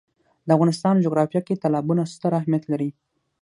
د افغانستان جغرافیه کې تالابونه ستر اهمیت لري.